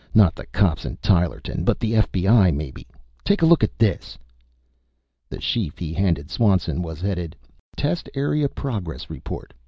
Not the cops in Tylerton, but the F.B.I., maybe. Take a look at this!" The sheaf he handed Swanson was headed: "Test Area Progress Report.